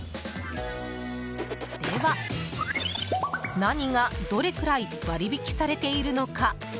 では、何がどれくらい割引されているのか？